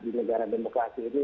di negara demokrasi ini